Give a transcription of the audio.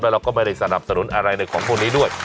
เราก็ไม่ได้สนับสนุนอะไรในของพวกนี้ด้วย